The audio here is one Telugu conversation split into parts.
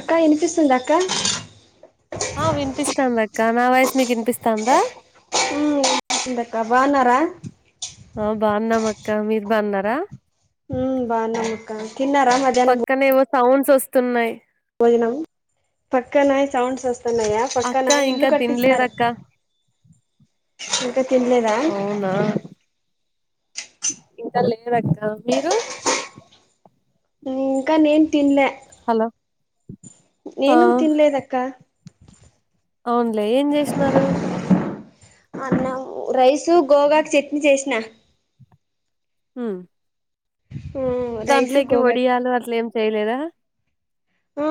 అక్క వినిపిస్తుందా అక్క ఆ వినిపిస్తంది అక్క నా వాయిస్ మీకు వినిపిస్తందా దక్క బాగున్నారా ఆ బాగున్నామక్క మీరు బాన్నారా ఉమ్మ్ బాగున్నాం అక్క తిన్నారా మధహ్నం పక్కనేవో సౌండ్స్ వస్తున్నాయి భోజనం పక్కన సౌండ్స్ వస్తున్నాయా పక్కన అక్క ఇల్లు ఇంకా కట్టిస్తున్నారు తినలేదక్క ఇంకా తినలేదా అవునా ఇంకా లేదక్క మీరు ఇంకా నేను తినలె హలో ఆ నేను తిన్లేదక్క అవునులే ఏం చేసినారు అన్నం రైస్ గోగాకు చట్నీ చేసిన ఉమ్మ్ ఉమ్ రైసు దంట్లోకి గోగాకు ఒడియాలు అట్లెం చేయలేదా ఆ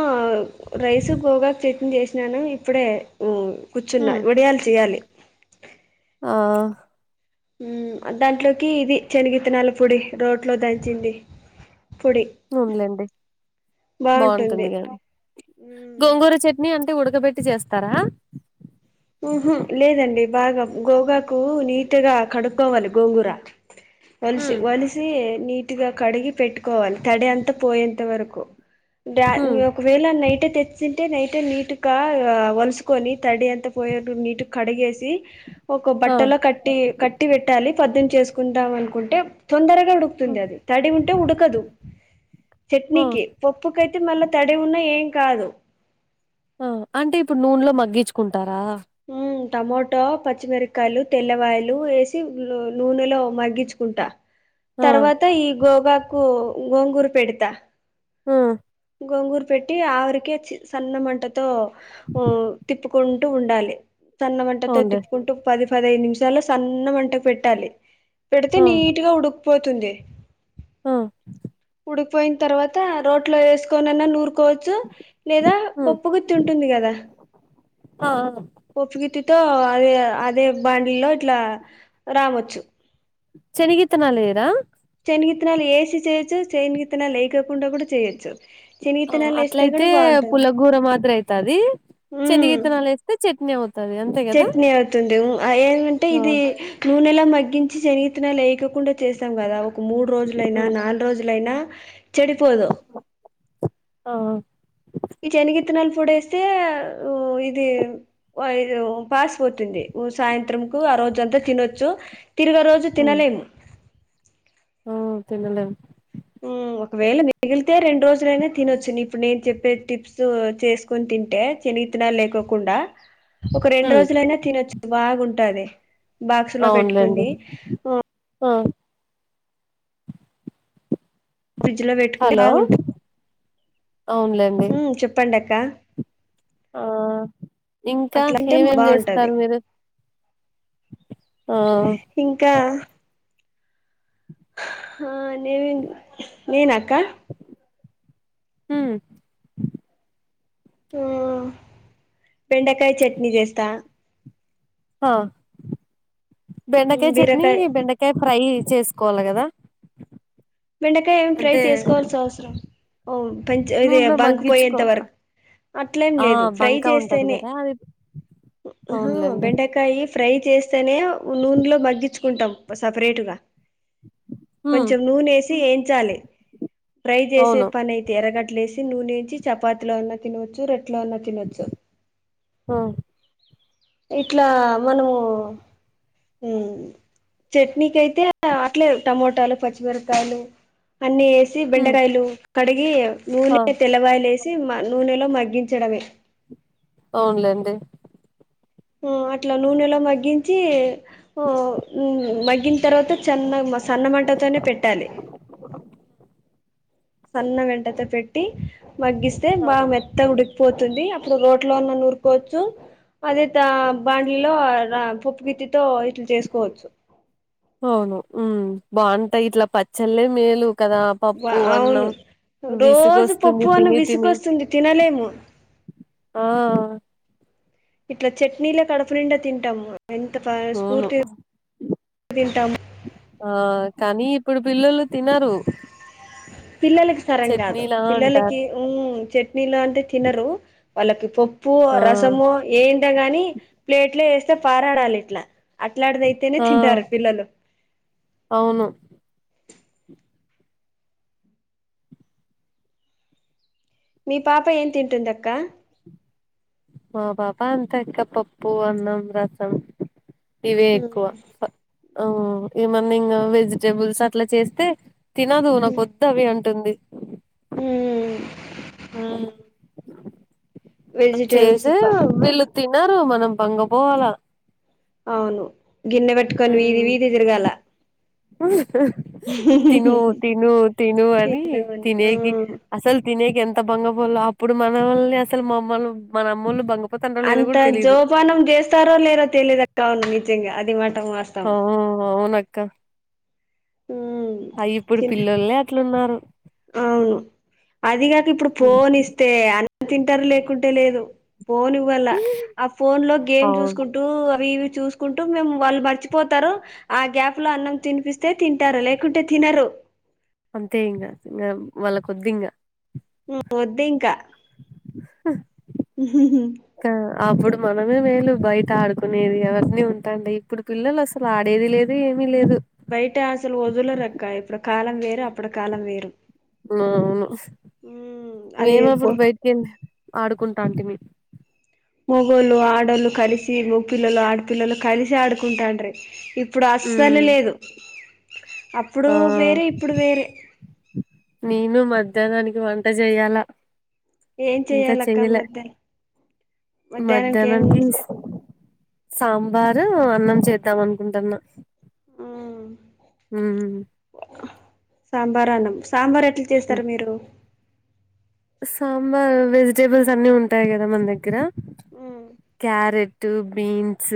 రైస్ గోగాకు చట్ని చేసినాను ఇప్పుడే ఉమ్మ్ కూర్చున్నా ఉమ్ వడియాలు చేయాలి ఆ ఉమ్మ్ దాంట్లోకి ఇది శనిగిత్తనాల పొడి రోట్లో దంచింది పొడి అవునులేండి బాగుంటుంది కానీ గోంగూర చట్నీ అంటే ఉడకబెట్టి చేస్తారా ఉహు లేదండి బాగా గోగాకు నీటుగా కడుక్కోవాలి గోంగూర అ వలిసి ఉమ్ వలిసి నీట్గా కడిగి పెట్టుకోవాలి తడి అంతా పోయేంత వరకు డా ఉమ్ ఒకవేళ నైటే తెచ్చింటే నైటే నీటుగా వలుసుకొని తడి అంత పొయ్యేట్టు నీటిగ్ కడిగేసి ఒక ఆ బట్టలో కట్టి క ట్టి పెట్టాలి పద్దున్ చేసుకుంటం అనుకుంటే తొందరగా ఉడ్ తుంది ఉమ్, అది తడి ఉంటే ఉడకదు ఆ చట్నీకి పప్పుకైతే మళ్ళా తడి ఉన్నా ఏం కాదు ఆ అంటే ఇప్పుడు నూనెలో మగ్గించుకుంటారా ఉమ్ టమోటా, పచ్చిమిరకాయలు తెల్లవాయలు వేసి నూల్ నూనెలో మగ్గించుకుంటా ఆ తర్వాత ఈ గోగాకు గోంగూరు పెడతా హ్మ్మ్ గొంగూరు పెట్టి ఆవిరికే సన్న మంటతో ఉమ్ తిప్పుకుం టు ఉండాలి సన్నమంటతో అవునులే తిప్పుకుంట ట్టు పది పదహైదు నిమిషాల్లో సన్న మంటకు పెట్టాలి పెడితే ఆ నీట్గా ఉడిక్పోతుంది ఆ ఉడిపోయిన తర్వాత రోట్లో వేసుకోనిన్నా నూరుకోవచ్చు లేదా పప్పు గుత్తి ఉంటుంది కదా ఆ పప్పుగుత్తితో అదే అదే బాండిలో ఇట్లా రావొచ్చు శనిగిత్తానాలు వేయిరా చెనిగిత్తనాలు ఏసి చేయిచ్చు చెనిగిత్తనాల ఎయికోకుండా ఉండ కూడా చేయచ్చు చెనిగిత్తనాలు వేస్తే అట్లయితే కూడా బాగుంటుంది పుల్లగూర హ స్తే చట్నీ అవుతది అంతే కదా చట్నీ అవుతుంది ఉ ఏధంటే ఆ ఇది నూనెలో మగ్గించి సనగిత్తనలు లేయకోకుండా చేసం కదా ఒక మూడు రోజులైనా నాలుగు రోజులయినా చెడిపోదు ఆ ఈ చెనిగిత్తనాల పొడి వేస్తే ఇది ఉ పాస్ పోతుంది ఓ సాయంత్రం కు ఆ రోజు అంతా తినొచ్చు తిరగ రోజు తినలేము ఉమ్ తినలేం ఉమ్ ఒకవేళ మిగిలితే రెండు రోజులైనా తినొచ్చు ఇప్పుడు నేను చెప్పే టిప్స్ చేస్ కొని తింటే చనిగిత్తనాలు లేకోకుండా ఒక రెండు రోజులైనా తినొచ్చు బాగుంటాది బాక్స్ లో అవునులేండి పెట్టుకుని ఆ ఫ్రిడ్జ్ లో పెట్టుకుంటే హలో బాగుంటది అవునులేండి పండక్క ఆ ఇంకా అట్లాంటే ఏమేం బాగుంటది చేస్తారు మీరు ఆ ఇంకా ఆహా నేనె నేనా అక్క ఉమ్ ఉమ్ బెండకాయ చట్నీ చేస్తా హా బెండకాయ చట్నీ బీరకాయ బెండకా అంటే ఫ్రై చేసుకోవాల్ల కదా బెండకాయ ఏమి ఫ్రై అంటే చేసుకోవాల్సి అవసరం ఓ ఇది నూనెలో బంక్ మగ్గించుకో పోయేంత వరకు అట్లేం ఆ లేదు ఫ్రై బంక ఉంటది చేస్తేనే కదా అది ఉహ్ అవునులేండి బెండకాయి ఫ్రై చేస్తేనే నూనెలో మగ్గించుకుంటాం సపరేట్గా కొంచెం నూనె వేసి వేయించాలి ఫ్రై చేసే అవును పని అయితే తిరగట్లేసి నూనె ఏంచి చపాతిలో ఉన్నా తినవచ్చు రోట్లో అన్న తి తినొచ్చు ఆ ఇట్లా మనము ఉ చట్నీకి అయితే అట్లే టమోటాలు పచ్చిమిరప కాయలు అన్ని వేసి హ్మ్ బెండకాయలు కడిగి ఆ నూనె తెల్లవాయలు వేసి సి నూనెలో మగ్గించడమే అవున్ లే అండి ఉ అట్లా నూనెలా మగ్గించి ఉ ఆ మగ్గిన తర్వాత చన్న గా సన్నమంటతోనే పెట్టాలి సన్న వెంటతో పెట్టి మగ్గిస్తే ఆ! బాగా మెత్త త్త ఉడికిపోతుంది ఆ టైటిల్పై అప్పుడు రోట్లో లో అన్న నూరుకోవచ్చు పది త బండ్లో రా పప్పు గిత్తితో ఇట్లా చేసుకోవచ్చు అవును ఉమ్ బాగుంటాయి ఇట్ల పచ్చళ్లే మేలు కదా పప్పు అన్నం అవును రోజు విసుగోస్తుంది పప్పు అన్న తిని తిని విసుకొస్తుంది తినలేము ఆ ఇట్ల చట్నీలో కడుపు నిండా తింటాము ఎంత అవును మనస్ఫూర్తి గా తింటాము ఆ కానీ ఇప్పుడు పిల్లలు తినరు పిల్లలకి సరం కాదు చట్నీలా పిల్లలకి అంటారు ఉ చట్నీలో అంటే తినరు వాళ్ళకి పప్పు ఆ రసము ఏంటో గాని ప్లేట్లో వేస్తే పారాడాలి ఇట్ల అట్లాంటిది అయితేనే ఆ తింటారు పిల్లలు అవును మీ పాప ఏం తింటుంది అక్క మా పాప అంతె ఇంక పప్పు అన్నం రసం ఇవే ఎక్కువ ఏమన్న ఇంక వెజిటబుల్స్ అట్లా చేస్తే తినదు నాకు వద్దు అవి అంటుంది హు ఆ మనం వెజిటేబుల్స్ చేసే ప వీళ్ళు తినరు మనం బంగపోవాల అవును గిన్నె పెట్టుకొని వీధి వీధి తిరగాల తిను తిను తెను అని తిందామని ఆ తినేకి అసలు తినేకె ఎంత బంగపోలో అప్పుడు మన వాల్ని అసలు మా అమ్మలు మన అమ్మలు బంగ అంత జోపానం చేస్తారో లేదో తెలియదు కావును నిజంగా అది మాట మస్తు ఓ అవును అక్క మ్ అ ఇప్పుడు పిల్లల్లే అట్లున్నారు అవును అదిగాక ఇప్పుడు పోలిస్ తె అన్ని తింటారు లేకుంటే లేదు ఫోన్ వల్ల ఆ ఫోన్ లో గేమ్ అవును చూసుకుం టూ అవి ఇవి చూసుకుంటూ మేము వాళ్ళు మర్చిపోతారు ఆ గ్యాప్ లో అన్నం తినిపిస్తే తింటారు లేకుంటే తినరు అంతే ఇంగ ఇంగ వాళ్ళక్ ఒద్దు ఇంకా హు వద్దు ఇంక ఆ అప్పుడు మనమే మేలు బయట ఆడుకునేది అవన్ని ఉంటాండే ఇప్పుడు పిల్లలస్ అసల్ ఆడేది లేదు ఏమీ లేదు. బయట అసలు వదులరక్క ఇప్పుడ్ కాలం వేరు అప్పుడు కాలం వేరు అవునవును ఉమ్ అది మేం అప్పుడు బయటికెళ్ ఆడుకుంటాంటిమి మొగోళ్ళు, ఆడళ్ళు కలిసి మొగ పిల్లలు ఆడపిల్లలు కలిసి ఆడుకుంటాండ్రి ఇప్ ఇప్పుడ్ అస్సల్ ఉమ్ లేదు. అప్పుడు ఆ వేరే ఇప్పుడు వేరే నేను మధ్యాహ్నానికి వంట చేయాలా ఏం ఇంక చెయ్యాలక్క చెయ్యలె మధ్యాహ్నం మధ్యాహ్నంకి ఏం మధ్యాహ్ననానికీస్ సాంబార్, అన్నం చేద్దాం అనుకుంటన్నా. మ్ సాంబార్ అన్నం సాంబార్ ఎట్లా చేస్తార్ మీరు? సాంబార్ వెజిటేబుల్స్ అన్ని ఉంటాయి గదా మన దగ్గర మ్మ్ క్యారెట్, బీన్స్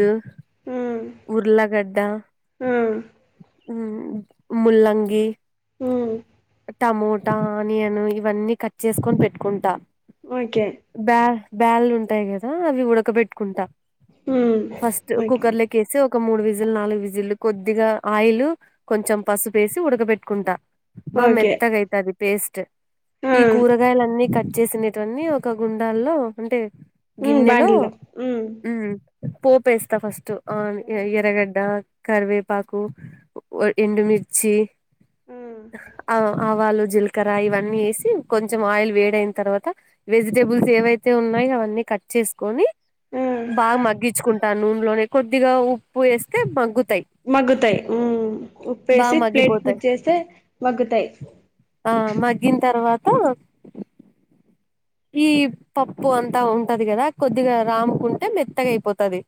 మ్ ఉర్లగడ్డ, ముల్లంగి మ్ టమోటా, ఆనియన్ ఇవన్నీ కట్ చేస్కోన్ పెట్కుంట. ఓకే బ్యా బ్యాలుంటయి గదా అవి ఉడకబెట్టుకుంట మ్మ్ ఫస్ట్ ఓకే కుక్కర్ల కేసి ఒక మూడు విజిల్ నాలుగు విజిలు కొద్దిగా ఆయిల్ కొంచం పసుపేసి ఉడక పెట్టుకుంట. బా ఓకే మెత్తగైతాది పేస్ట్ ఈ మ్మ్ కూరగాయలన్ని కట్ చేసినటన్నీ ఒక్క గుండాల్లో అంటే మ్మ్ గిన్నెలో బాండిలో మ్మ్ పోపేస్త ఫస్ట్ ఆన్ ఎ ఎరగడ్డ కరివేపాకు, ఒ ఎండుమిర్చీ మ్మ్ ఆ ఆవాలు, జిల్ కర ఇవన్నీ ఏసి కొంచం ఆయిల్ వేడైన్ తర్వాత వెజిటబుల్స్ ఏవైతే ఉన్నాయి అవన్నీ కట్ చేస్కోని మ్మ్ బాగా మగ్గిచ్కుంటాను నూన్లోనే కొద్దిగా ఉప్పు ఏస్తే మగ్గుతయి. మగ్గుతయి మ్ ఉప్పేసి ప్లేట్ మగ్గిపోతాయి మీద్ చేస్తే మగ్గుతయి. ఆ మగ్గిన్ తర్వాత ఈ పప్పు అంతా ఉంటది గదా కొద్దిగా రాంకుంటే మెత్తగైపోతది.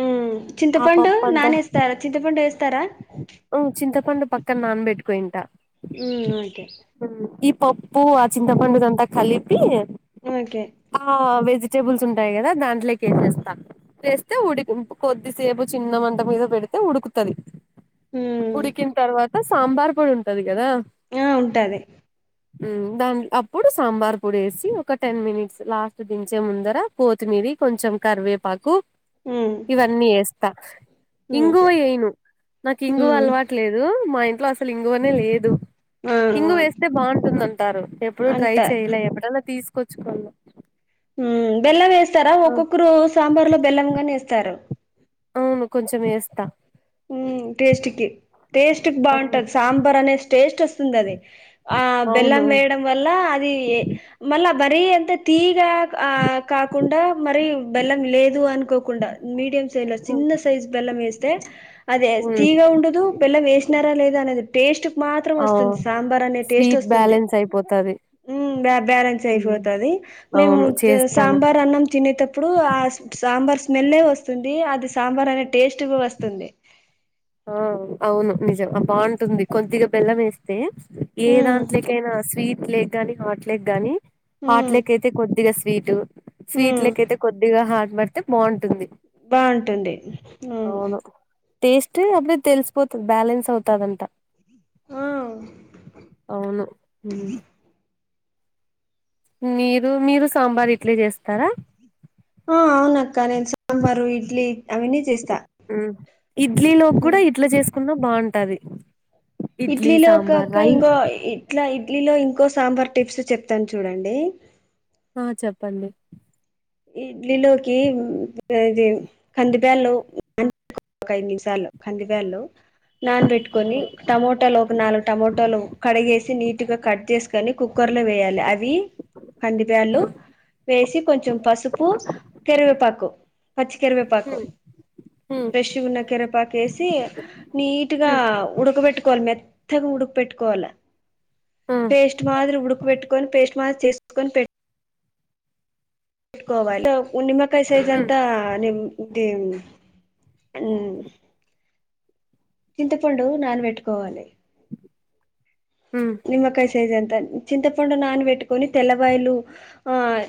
ఉమ్ చింతపండు నానేస్తారా చింతపండు ఏస్తారా? మ్ చింతపండు పక్కన్ నానబెట్టుకోయింట మ్ ఓకే ఈ పప్పు ఆ చింతపండుదంతా కలిపి ఓకే. ఆ వెజిటేబుల్స్ ఉంటాయి గదా దాంట్లోకేసేస్తా. వేస్తే ఉడి కొద్దిసేపు చిన్న మంట మీద పెడితే ఉడుకుతది. మ్మ్ ఉడికిన్ తర్వాత సాంబార్ పొడి ఉంటది గదా యా ఉంటాది. మ్ దాన్ అప్పుడు సాంబార్ పొడి ఏసి ఒక టెన్ మినిట్స్ లాస్ట్ దించే ముందర కోతిమీరి కొంచం కరివేపాకు ఉమ్ ఇవన్నీ ఏస్త. ఇంగువ ఓకే ఏయిను నాకు ఇంగువ ఉమ్ అలవాటులేదు. మా ఇంట్లో అస అసలు ఇంగువ అనే లేదు ఆ ఆ ఇంగువ వేస్తే బావుంటుందంటారు. ఎప్పుడు ట్రై అంట చేయలే ఎప్పుడైనా తీసుకొచ్చుకొవాళ మ్ బెల్లం వేస్తారా ఒక్కొక్కరు సాంబార్ లో బెల్లం గానే వేస్తారు. అవును కొంచెం వేస్తా మ్ టేస్ట్కి టేస్ట్ కి అవును బావుంటది సాంబార్ అనే టేస్ట్ వస్తుంది అది ఆ అవును బెల్లం వేయడం. వల్ల అది మళ్ళా వరి అంత తీయగా ఆ కాకుండా మరి బెల్లం లేదు అనుకోకుండా మీడియం సైజ్ లో చిన్న సైజ్ బెల్లం వెస్తే అదే ఉమ్ తీయగ ఉండదు. బెల్లం వేసినారా లేదా అనేది టేస్ట్ మాత్రం ఆ వస్తుంది సాంబార్ అనే టేస్ట్ స్వీట్ వస్తుంది. బ్యాలెన్స్ అయిపోతది మ్ బే బ్యాలెన్స్ ఉమ్, అయిపోతది మేము అవును చేస్తాను సాంబార్ అన్నం తిన్నె తప్పు ఇప్పుడు ఆ సాంబార్ స్మెల్ వస్తుంది. అది సాంబార్ అనే టేస్ట్ కు వస్తుంది. ఆ అవును నిజం బావుంటుంది కొద్దిగా బెల్లం వేస్తే ఏ హ్మ్ దాంట్లోకైనా స్వీట్ లెగ్గానీ, హాట్ లెగ్గానీ హ్మ్ హాట్లకైతే కొద్దిగా స్వీటు, హ్మ్ స్వీట్లకైతే కొద్దిగా హాట్ పడితే బావుంటుంది. బావుంటుంది నవును టేస్ట్ అప్పుడే తెలిసిపోతుంది బ్యాలెన్స్ అవుతదంటా ఆ అవును ఉ మీరు మీరు సాంబార్ ఇట్లే చేస్తారా? ఆ అవునక్క నేను సాంబారు ఇడ్లీ అవన్నీ చేస్తా కున్నా బావుంటాది ఇడ్లీలో కాక ఇంకో ఇట్లా ఇడ్లీలో ఇంకో సాంబార్ టిప్స్ చెప్తాను చూడండి. ఆ చెప్పండి ఇడ్లీలోకి ఇది కందిబేల్లు ఒక ఐదు నిమిషాలు కందిబేళ్లు నాన్ పెట్టుకొని టమోటాలు ఒక నాలుగు టమోటాలు కడిగేసి నీట్ గా కట్ చేసు కని కుక్కర్ లో వేయాలి అవి కందిబేళ్లు వేసి కొంచెం పసు పు కరివెపాకు పచ్చి కరివెపాకు ఉమ్ ఉమ్ ఫ్రెష్గా ఉన్న కరవెపాకు వేసి నీటుగా ఉమ్ ఉడక్బ పెట్టుకోవాలి మెత్తగా ఉడుక పెట్టుకోవాల ఉమ్ పేస్ట్ మాదిరి ఉడుక్బెట్టుకని పేస్ట్ మా చేసుకొని పెట్ కోవాలి నిమ్మకాయ సైజ్ ఉమ్ అంతా నిమ్ దివ్ అన్ చింతపండు నానపెట్టుకోవాలి. హ నిమ్మకాయ సైజ్ అంత చింతపండు నాన పెట్టుకొని తెల్లవాయలు ఆయ్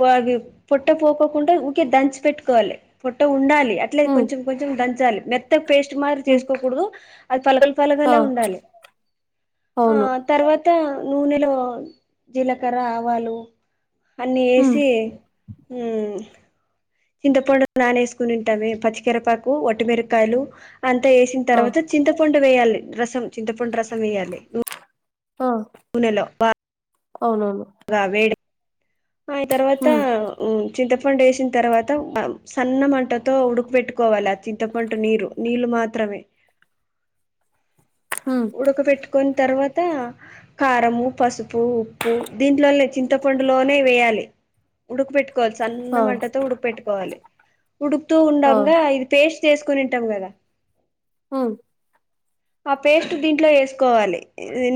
పోవి పొట్ట పోకోకుండా ఊకే దంచి పెట్టుకోవాలి పొట్ట ఉండాలి. అట్లే ఉమ్ ఉమ్ కొంచెం కొంచెం దంచాలి మెత్త పేస్ట్ మాత్ర ఉమ్ చేసుకోకూడదు అది పలగలు ఆ పలగలే ఉండాలి. ఆ అవును తర్వాత నూనెలో జీలకర్ర, ఆవాలు అన్నీ హ్మ్ వేసి మ్ చింతపండు నానే వేసుకుని ఉంటాము పచ్చికరేపాకు, వట్టిమిరకాయలు అంతా వేసిన ఆ తర్వాత చింతపండు వేయాలి. రసం చింతపండు రసం వేయ్యాలి. ఆ పూణేలో బా అవునవును అబ్బా వేడి ఆ తర్వాత హ్మ్ ఓ చింతపండు వేసిన తర్వాత సన్న మంటతో ఉడుకుపెట్టుకోవాలి ఆ చింతపండు నీరు నీళ్ళు మాత్రమే హా ఉడక పెట్టుకుని తర్వాత కారము పసుపు ఉప్పు దీంట్లోనే చింతపండులోనే వేయాలి ఉడక పెెట్టుకోవాలి సన్న ఆ మంటతో ఉడక పెెట్టుకోవాలి ఉడుకుతూ ఆ ఉండగా ఇది పేస్ట్ చేసుకుని ఉంటాం కదా అవును ఆ పేస్ట్ దీంట్లో ఏసుకోవాలి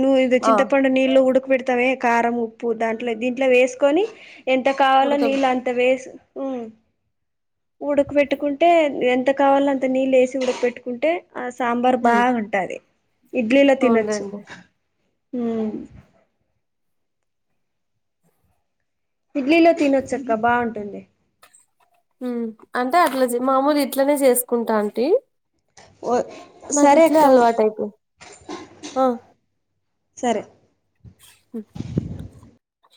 నువ్వు ఇదో ఆ చింతపండు నీళ్ళలు ఉడక పెడతా వే కారం ఉప్పు దాంట్లో దీంట్లో వేసుకొని ఎంత కావాలో ఉడక నీళ్ళు అంత వేసి ఉ ఉడకపెట్టుకుంటే ఎంత కావాలో అంత నీళ్లుఏసి ఉడకబెట్టుకుంటే ఆ సాంబార్ హ్మ్ బాగాంటుంది ఇడ్లీలో తినొచ్చు అవునులెండి. ఉ ఇడ్లీలో తినొచ్చక్క బావుంటుంది ఉ అంటే చేయము మామూలు ఇట్లనే చేసుకుంటా ఉంటి ఓయ్ సరే అక్క అలవాటయిపోయి సరే హా [inaudible]